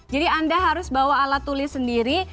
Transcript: jadi anda harus bawa alat tulis sendiri